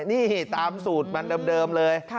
นี่ตามสูตรมันเดิมเลย